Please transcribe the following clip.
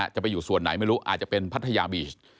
จะไปอยู่ส่วนไหนไม่รู้อาจจะเป็นพัทยาบีช